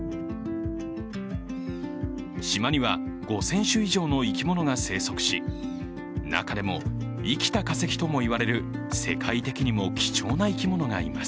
島には５０００種以上の生き物が生息し中でも生きた化石とも言われる世界的にも貴重な生き物がいます。